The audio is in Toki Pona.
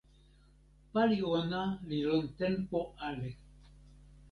pali ona li lon tenpo ale.